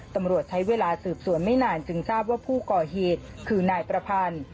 ตำรวจใช้เวลาสืบสวนไม่นานจึงทราบว่าผู้ก่อเหตุคือนายประพันธ์